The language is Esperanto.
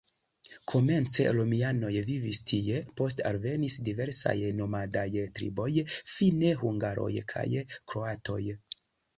Komence romianoj vivis tie, poste alvenis diversaj nomadaj triboj, fine hungaroj kaj kroatoj.